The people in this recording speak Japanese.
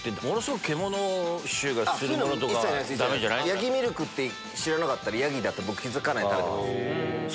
ヤギミルクって知らなかったらヤギって気付かないで食べてます。